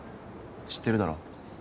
知ってるだろ